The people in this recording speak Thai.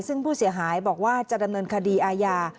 ซึ่งผู้เสียหายบอกว่าจะดำเนินคดีอาญา